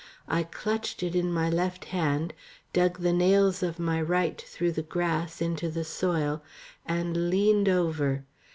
I clutched it in my left hand, dug the nails of my right through the grass into the soil and leaned over.